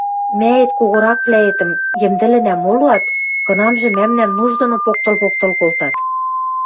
Мӓэт когораквлӓэтӹм йӹмдӹлӹнӓ молоат, кынамжы мӓмнӓм нуж доно поктыл-поктыл колтат.